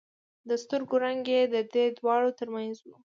د سترګو رنگ يې د دې دواړو تر منځ و.